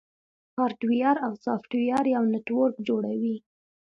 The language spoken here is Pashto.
هارډویر او سافټویر یو نیټورک جوړوي.